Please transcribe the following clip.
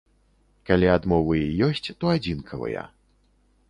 Калі адмовы і ёсць, то адзінкавыя.